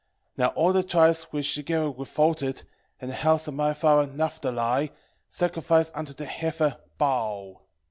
1:5 Now all the tribes which together revolted, and the house of my father Nephthali, sacrificed unto the heifer Baal.